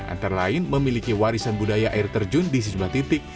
antara lain memiliki warisan budaya air terjun di sejumlah titik